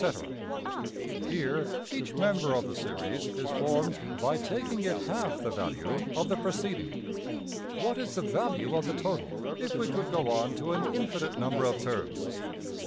}\] Here each member of the series is formed by taking it half the value of the preceding. What is the value of the total if we could go on to an infinite number of terms?